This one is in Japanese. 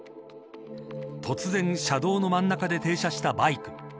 突然、車道の真ん中で停車したバイク。